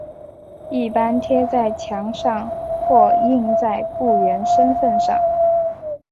一般贴在墙上或印在雇员身份上。